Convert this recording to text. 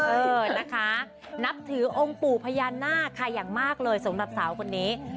เออนะคะนับถือองค์ปู่พญานาคค่ะอย่างมากเลยสำหรับสาวคนนี้